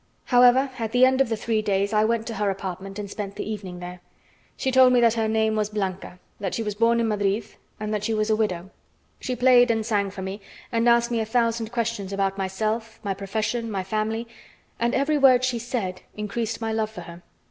However, at the end of the three days I went to her apartment and spent the evening there. She told me that her name was Blanca, that she was born in Madrid, and that she was a widow. She played and sang for me and asked me a thousand questions about myself, my profession, my family, and every word she said increased my love for her.